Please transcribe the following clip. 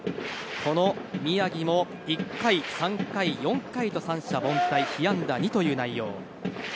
この宮城も１回、３回、４回と三者凡退被安打２という内容。